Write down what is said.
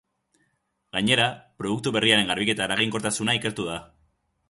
Gainera, produktu berriaren garbiketa-eraginkortasuna ikertu da.